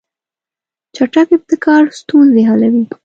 چټک ابتکار ستونزې حلوي.